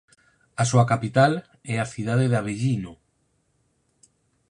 A súa capital é a cidade de Avellino.